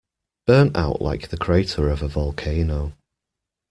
Burnt out like the crater of a volcano.